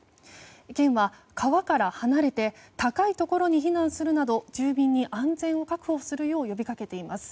県は、川から離れて高いところに避難するなど住民に、安全を確保するよう呼びかけています。